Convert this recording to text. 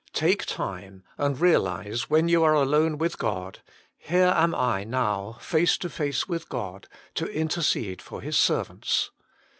Take time and realise, when you are alone with God : Here am I now, face to face with God, to intercede for His servants.